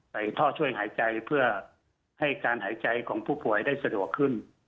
ท่อช่วยหายใจเพื่อให้การหายใจของผู้ป่วยได้สะดวกขึ้น